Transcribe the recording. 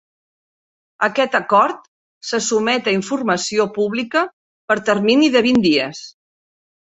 Aquest acord se sotmet a informació pública per termini de vint dies.